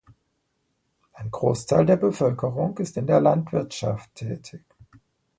Ein Großteil der Bevölkerung ist in der Landwirtschaft tätig.